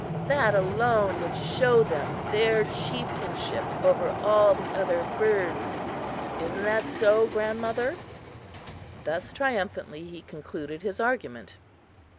That alone would show them their chieftainship over all the other birds. Isn't that so, grandmother?" Thus triumphantly he concluded his argument.